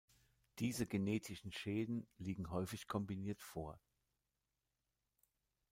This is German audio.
Diese genetischen Schäden liegen häufig kombiniert vor.